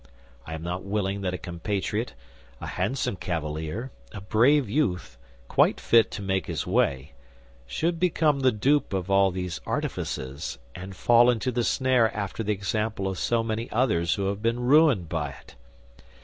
I am not willing that a compatriot, a handsome cavalier, a brave youth, quite fit to make his way, should become the dupe of all these artifices and fall into the snare after the example of so many others who have been ruined by it.